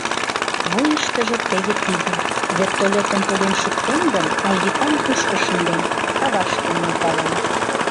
Вуйыштыжо теве тиде: «Вертолётым поген шуктем гын, Айвикам тушко шындем, кавашке нӧлталам.